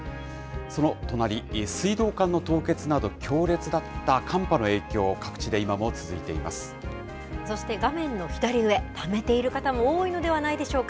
その隣、水道管の凍結など、強烈だった寒波の影響、各地で今も続そして画面の左上、ためている方も多いのではないでしょうか。